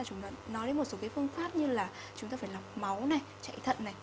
chúng ta nói đến một số phương pháp như là chúng ta phải lọc máu chạy thận